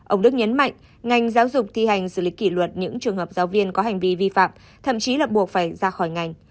ông đức nhấn mạnh ngành giáo dục thi hành xử lý kỷ luật những trường hợp giáo viên có hành vi vi phạm thậm chí là buộc phải ra khỏi ngành